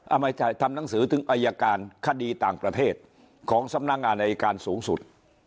ไม่ใช่ทำหนังสือถึงอายการคดีต่างประเทศของสำนักงานอายการสูงสุด